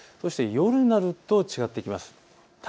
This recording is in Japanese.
夜になると違ってきます。